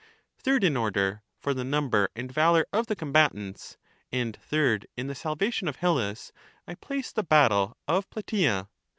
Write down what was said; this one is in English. Third in order, for the number and valour of the combatants, and third in the salvation of Hellas, I place the battle of Plataea.